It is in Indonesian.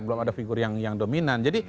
belum ada yang dominan